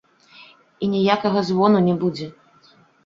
І ніякага звону не будзе.